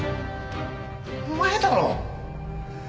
お前だろ。